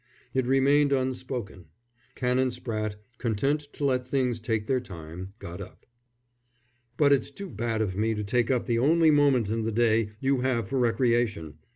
It remained unspoken. Canon Spratte, content to let things take their time, got up. "But it's too bad of me to take up the only moment in the day you have for recreation.